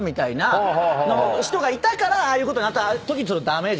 人がいたからああいうことになったときに。